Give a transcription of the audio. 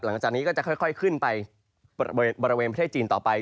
หลังจากนี้ก็จะค่อยขึ้นไปบริเวณประเทศจีนต่อไป